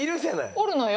おるのよ。